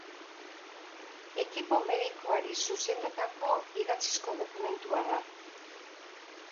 Ekipo medikoari zuzendutako idatzizko dokumentua da.